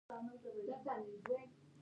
حیوانات ځینې وختونه کورني دي.